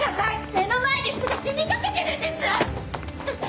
目の前で人が死にかけてるんです！